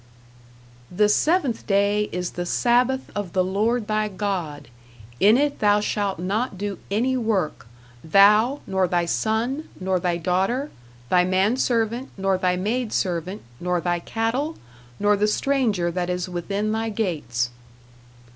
"The seventh day is the sabbath of the Lord thy God; in it thou shalt not do any work, thou, nor thy son, nor thy daughter, thy manservant, nor thy maidservant, nor thy cattle, nor the stranger that is within thy gates."